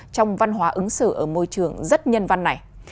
trong văn hóa ứng xử ở môi trường rất nhân văn này